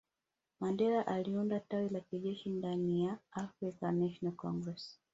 Mandela aliunda tawi la kijeshi ndaniya Afrikan national congress